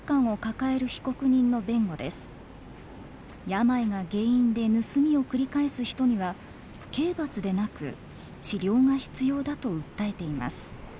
病が原因で盗みを繰り返す人には刑罰でなく治療が必要だと訴えています。